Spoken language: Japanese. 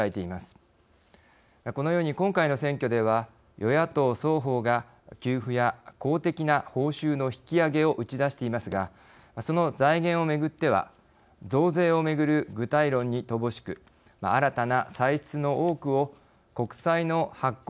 このように今回の選挙では与野党双方が給付や公的な報酬の引き上げを打ち出していますがその財源をめぐっては増税をめぐる具体論に乏しく新たな歳出の多くを国債の発行